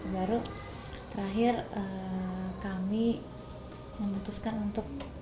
baru terakhir kami memutuskan untuk